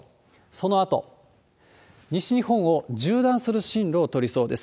そのあと、西日本を縦断する進路を取りそうです。